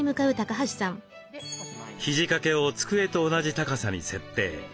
肘かけを机と同じ高さに設定。